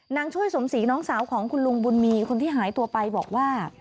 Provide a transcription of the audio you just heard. นางช่วยสมศรีน้องสาวของคุณลุงบุญมีคนที่หายตัวไปบอกว่า